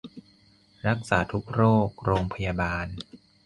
รักษาทุกโรค โรงพยาบาล